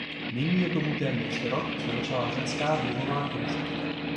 Nyní je tomu téměř rok, co začala řecká dluhová krize.